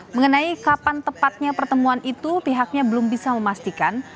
mengenai kapan tepatnya pertemuan itu pihaknya belum bisa memastikan